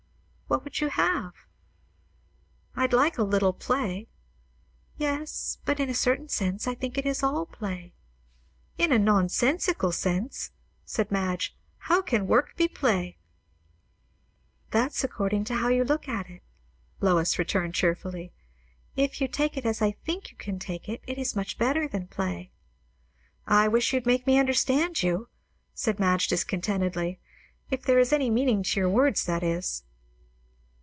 "What would you have?" "I'd like a little play." "Yes, but in a certain sense I think it is all play." "In a nonsensical sense," said Madge. "How can work be play?" "That's according to how you look at it," Lois returned cheerfully. "If you take it as I think you can take it, it is much better than play." "I wish you'd make me understand you," said Madge discontentedly. "If there is any meaning to your words, that is."